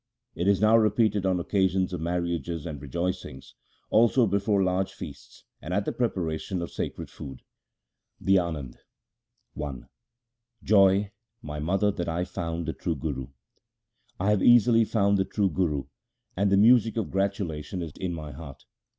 It is now repeated on occasions of marriages and rejoicings, also before large feasts, and at the preparation of sacred food. THE ANAND I Joy, my mother, that I have found the True Guru ! 1 I have easily found the True Guru, and the music of gratu lation is in my heart.